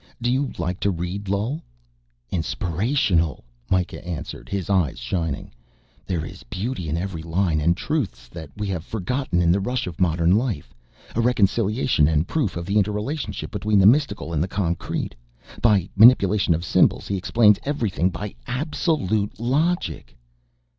Do you like to read Lull?" "Inspirational!" Mikah answered, his eyes shining. "There is beauty in every line and Truths that we have forgotten in the rush of modern life. A reconciliation and proof of the interrelationship between the Mystical and the Concrete. By manipulation of symbols he explains everything by absolute logic."